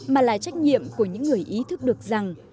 mà là trách nhiệm của những người ý thức được rằng